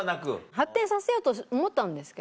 発展させようと思ったんですけどね。